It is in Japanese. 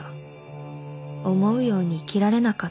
思うように生きられなかった」